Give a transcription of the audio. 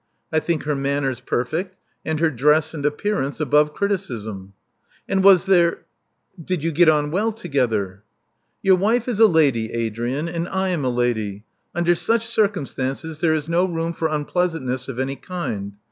"I think her manners perfect, and her dress and appearance above criticism." "And was there — did you get on well together?" "Your wife is a lady, Adrian; and I am a lady. Under such circumstances there is no room for unpleasantness of any kind.